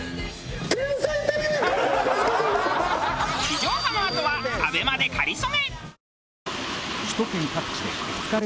地上波のあとはＡＢＥＭＡで『かりそめ』。